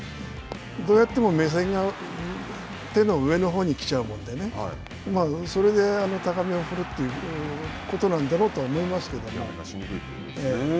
どうやっても目線が手の上のほうに来ちゃうもんでね、それで、高めを振るということなんだろうとは思いますけども。